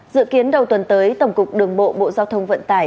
dự kiến đầu tuần tới tổng cục đường bộ bộ giao thông vận tải